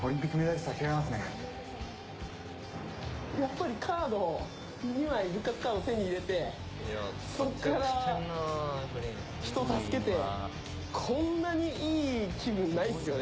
復活カードを２枚手に入れてそこから人を助けてこんなにいい気分、ないですよね